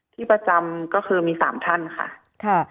ที่ประจำก็คือมี๓ท่านค่ะ